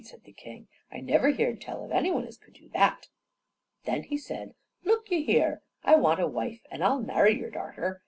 said the king, "I never heerd tell of any one as could do that." Then he said: "Look you here, I want a wife, and I'll marry your darter.